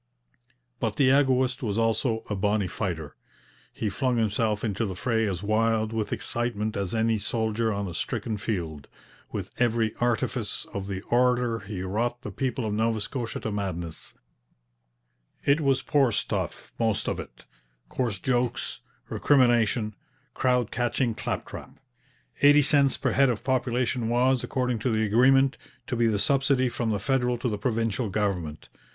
But the egoist was also 'a bonny fighter.' He flung himself into the fray as wild with excitement as any soldier on a stricken field. With every artifice of the orator he wrought the people of Nova Scotia to madness. It was poor stuff, most of it; coarse jokes, recrimination, crowd catching claptrap. Eighty cents per head of population was, according to the agreement, to be the subsidy from the federal to the provincial government.